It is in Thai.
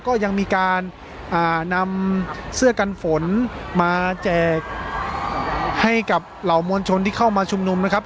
ก็ยังมีการนำเสื้อกันฝนมาแจกให้กับเหล่ามวลชนที่เข้ามาชุมนุมนะครับ